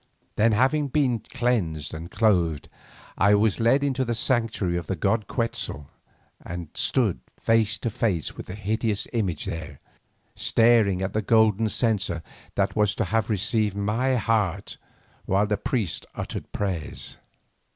Then having been cleansed and clothed, I was led into the sanctuary of the god Quetzal and stood face to face with the hideous image there, staring at the golden censer that was to have received my heart while the priests uttered prayers.